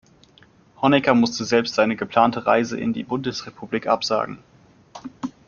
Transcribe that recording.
Honecker musste selbst seine geplante Reise in die Bundesrepublik absagen.